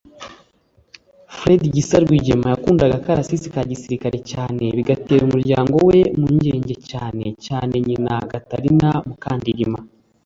Fred Gisa Rwigema yakundaga akarasisi ka gisirikare cyane bigatera umuryango we impungenge cyane cyane nyina Gatarina Mukandirima